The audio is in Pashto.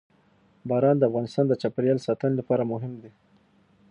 باران د افغانستان د چاپیریال ساتنې لپاره مهم دي.